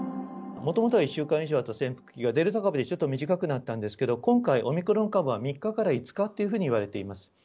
もともとは１週間以上あった潜伏期が、デルタ株でちょっと短くなったんですけど、今回、オミクロン株は３日から５日というふうにいわれています。